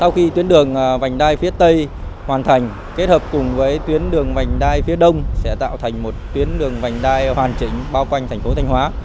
sau khi tuyến đường vành đai phía tây hoàn thành kết hợp cùng với tuyến đường vành đai phía đông sẽ tạo thành một tuyến đường vành đai hoàn chỉnh bao quanh thành phố thanh hóa